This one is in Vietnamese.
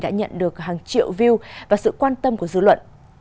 đã nhận được hàng triệu view và sự quan tâm của dư luận